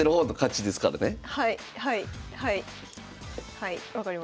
はい分かりました。